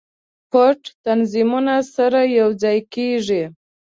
پټ تنظیمونه سره یو ځای کیږي.